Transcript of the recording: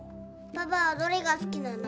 パパはどれが好きなの？